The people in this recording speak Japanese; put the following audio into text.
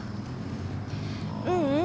ううん。